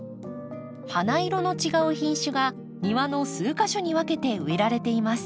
花色の違う品種が庭の数か所に分けて植えられています。